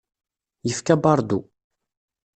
Yefka baṛdu.